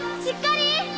しっかり！